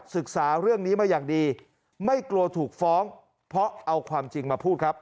ศึกษาเรื่องนี้มาอย่างดีไม่กลัวถูกฟ้องเพราะเอาความจริงมาพูดครับ